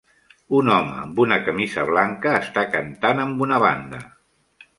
Un home amb una camisa blanca està cantant amb una banda.